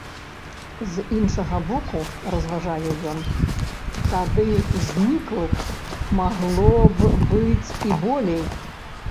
З іншага боку, разважае ён, тады зніклых магло б быць і болей.